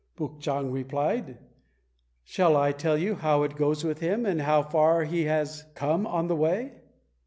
Puk chang replied, "Shall I tell you how it goes with him, and how far he has come on the way?"